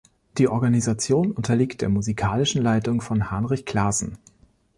Die Organisation unterliegt der musikalischen Leitung von Hanrich Claassen.